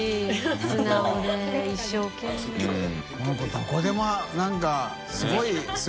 どこでもなんかすごい垢